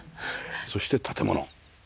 そして建物。